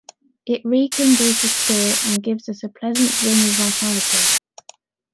It rekindles the spirit and gives us a pleasant zing of vitality.